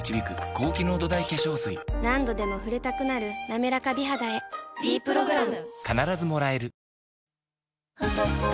何度でも触れたくなる「なめらか美肌」へ「ｄプログラム」